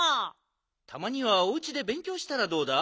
たまにはおうちでべんきょうしたらどうだ？